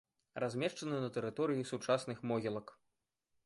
Размешчаны на тэрыторыі сучасных могілак.